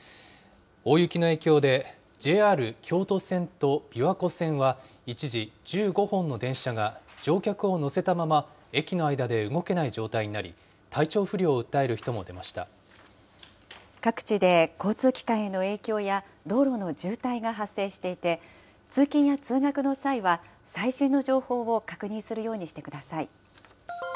大雪の影響で、ＪＲ京都線と琵琶湖線は一時、１５本の電車が乗客を乗せたまま駅の間で動けない状態になり、体各地で交通機関への影響や、道路の渋滞が発生していて、通勤や通学の際は、最新の情報を確認するようにしてください。